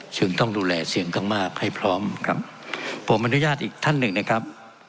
จึงต้องดูแลเสียงข้างมากให้พร้อมครับผมอนุญาตอีกท่านหนึ่งนะครับ